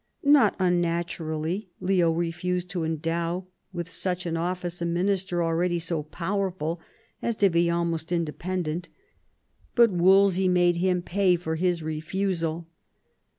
Not unnaturally Leo refused to endow with such an office a minister already so powerful as to be almost inde pendent; but Wolsey made him pay for his refusal.